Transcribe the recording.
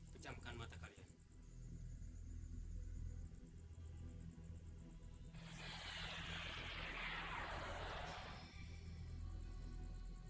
pejamkan mata kalian